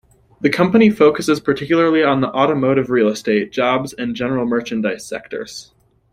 The company focuses particularly on the automotive, real estate, jobs and general merchandise sectors.